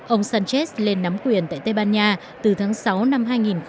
ông sánchez lên nắm quyền tại tây ban nha từ tháng sáu năm hai nghìn một mươi bảy